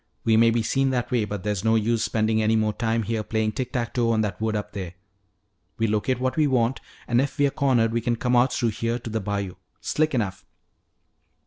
We may be seen that way, but there's no use spending any more time here playing tick tack toe on that wood up there. We locate what we want, and if we're cornered we can come out through here to the bayou. Slick enough."